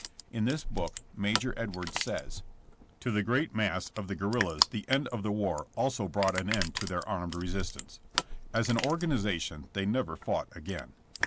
In this book Major Edwards says : To the great mass of the guerrillas the end of the war also brought an end to their armed resist ance. As an organization they never fought again.